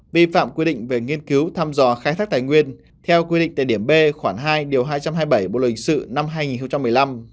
vi phạm quy định về nghiên cứu thăm dò khai thác tài nguyên theo quy định tại điểm b khoảng hai điều hai trăm hai mươi bảy bộ luật hình sự năm hai nghìn một mươi năm